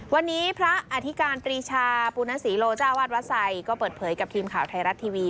วันนี้พระอธิการปรีชาปุณศรีโลจ้าวาดวัดไซคก็เปิดเผยกับทีมข่าวไทยรัฐทีวี